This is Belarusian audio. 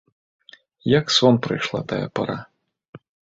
Як сон прайшла тая пара.